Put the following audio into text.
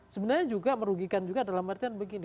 sebenarnya juga merugikan juga dalam artian begini